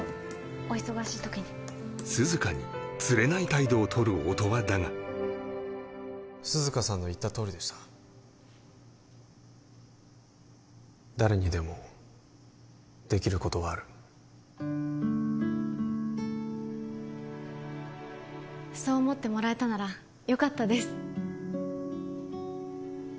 お忙しい時に涼香につれない態度をとる音羽だが涼香さんの言ったとおりでした誰にでもできることはあるそう思ってもらえたならよかったです